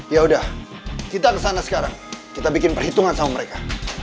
yaudah kita kesana sekarang kita bikin perhitungan sama mereka